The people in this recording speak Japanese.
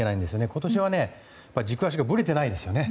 今年は、軸足がぶれてないですよね。